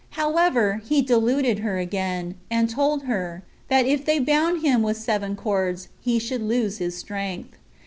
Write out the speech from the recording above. However, he deluded her again, and told her, that if they bound him with seven cords, he should lose his strength.